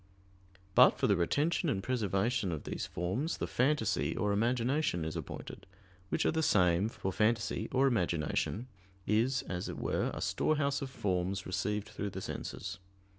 But for the retention and preservation of these forms, the "phantasy" or "imagination" is appointed; which are the same, for phantasy or imagination is as it were a storehouse of forms received through the senses.